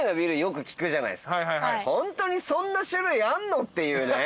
ホントにそんな種類あんの？っていうね。